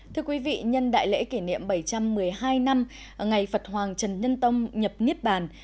thưa quý vị nhân đại lễ kỷ niệm bảy trăm một mươi hai năm ngày phật hoàng trần nhân tông nhập niết bàn